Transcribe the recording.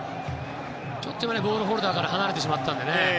ちょっとボールホルダーから離れてしまったので。